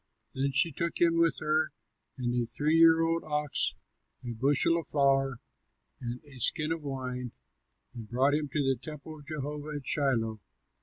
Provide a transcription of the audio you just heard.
Then she took him with her, and a three year old ox, a bushel of flour, and a skin of wine, and brought him to the temple of Jehovah at Shiloh.